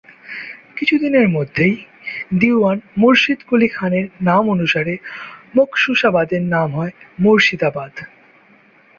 কিছু দিনের মধ্যেই দীউয়ান মুর্শিদকুলী খানের নামানুসারে মখসুসাবাদের নাম হয় মুর্শিদাবাদ।